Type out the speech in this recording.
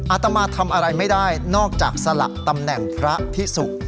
อาตมาทำอะไรไม่ได้นอกจากสละตำแหน่งพระพิสุ